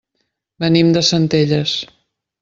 Venim de Centelles.